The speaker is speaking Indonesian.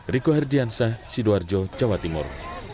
riko hardiansyah sidoarjo jawa timur